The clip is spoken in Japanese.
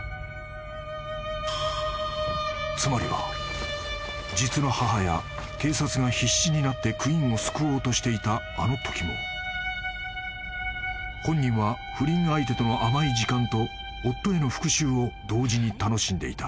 ［つまりは実の母や警察が必死になってクインを救おうとしていたあのときも本人は不倫相手との甘い時間と夫への復讐を同時に楽しんでいた］